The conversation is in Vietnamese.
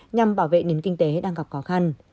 nhằm bảo vệ nền kinh tế đang phát triển